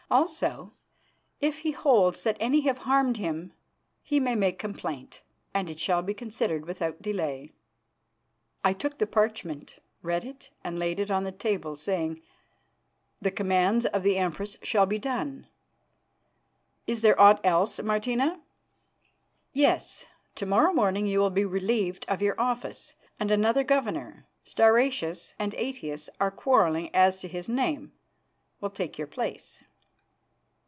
Also, if he holds that any have harmed him, he may make complaint, and it shall be considered without delay." I took the parchment, read it, and laid it on the table, saying: "The commands of the Empress shall be done. Is there aught else, Martina?" "Yes. To morrow morning you will be relieved of your office, and another governor Stauracius and Aetius are quarrelling as to his name will take your place."